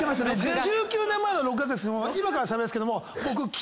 １９年前の６月ですけども今からしゃべるんですけども僕。